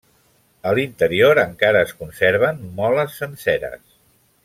A l'interior encara es conserven moles senceres.